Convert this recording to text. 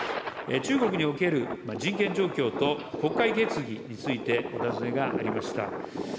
中国における人権状況と国会決議についてお尋ねがありました。